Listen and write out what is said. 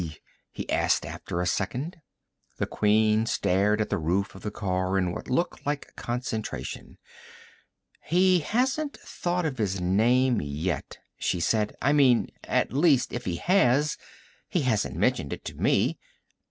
he asked after a second. The Queen stared at the roof of the car in what looked like concentration. "He hasn't thought of his name yet," she said. "I mean, at least if he has, he hasn't mentioned it to me.